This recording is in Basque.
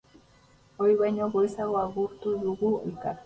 Ohi baino goizago agurtu dugu elkar.